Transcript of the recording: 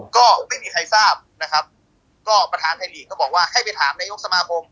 ก็ไม่มีใครทราบนะครับก็ประธานไทยลีกก็บอกว่าให้ไปถามนายกสมาคม